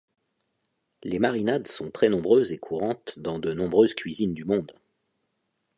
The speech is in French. Les marinades sont très nombreuses et courantes dans de nombreuses cuisines du monde.